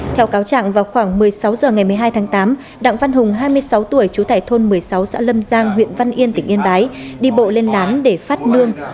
theo cáo trạng vào khoảng một mươi sáu h ngày một mươi hai tháng tám đặng văn hùng hai mươi sáu tuổi trú tại thôn một mươi sáu xã lâm giang huyện văn yên tỉnh yên bái đi bộ lên lán để phát nương